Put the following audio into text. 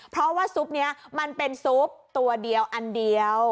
เพราะว่าซุปนี้มันเป็นซุปตัวเดียวอันเดียว